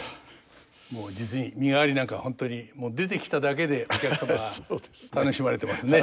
もう実に「身替」なんかは本当にもう出てきただけでお客様が楽しまれてますね。